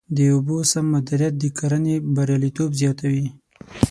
د اوبو سم مدیریت د کرنې بریالیتوب زیاتوي.